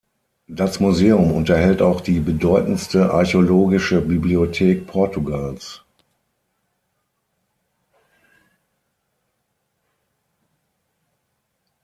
Das Museum unterhält auch die bedeutendste archäologische Bibliothek Portugals.